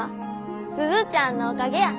鈴ちゃんのおかげや。